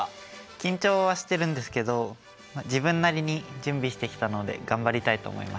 緊張はしてるんですけど自分なりに準備してきたので頑張りたいと思います。